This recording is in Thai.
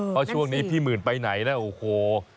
เพราะช่วงนี้พี่หมื่นไปไหนนะโอ้โห